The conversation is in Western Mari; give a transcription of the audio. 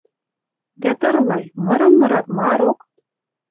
Дӓ тырлай... Мырым мырат ма рок?